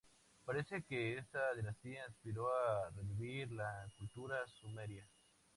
Parece que esta dinastía aspiró a revivir la cultura sumeria.